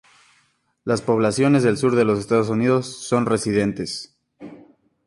Las poblaciones del sur de los Estados Unidos son residentes.